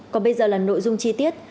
còn bây giờ là nội dung chi tiết